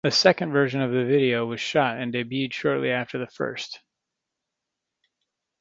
A second version of the video was shot and debuted shortly after the first.